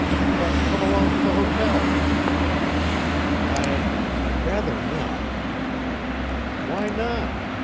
But come along to the hotel." "I'd I'd rather not." "Why not?